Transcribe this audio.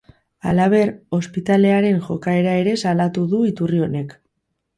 Halaber, ospitalearen jokaera ere salatu du iturri honek.